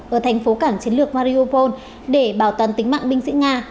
ở thành phố cảng chiến lược mariopol để bảo toàn tính mạng binh sĩ nga